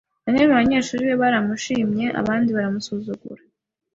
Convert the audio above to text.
Bamwe mu banyeshuri be baramushimye, abandi baramusuzugura.